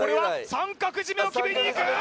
三角締めを決めにいく！